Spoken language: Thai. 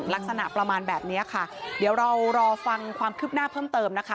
ลักษณะประมาณแบบนี้ค่ะเดี๋ยวเรารอฟังความคืบหน้าเพิ่มเติมนะคะ